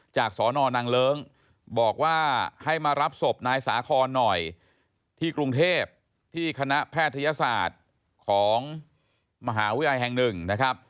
สนนางเลิ้งบอกว่าให้มารับศพนายสาคอนหน่อยที่กรุงเทพที่คณะแพทยศาสตร์ของมหาวิทยาลัยแห่งหนึ่งนะครับ